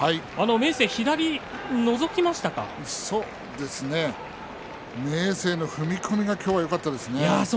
明生の踏み込みが今日はよかったですね。